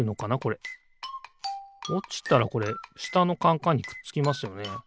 おちたらこれしたのカンカンにくっつきますよね。